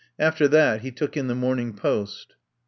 After that he took in the Morning Post.